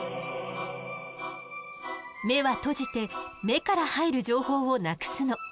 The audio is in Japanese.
目は閉じて目から入る情報をなくすの。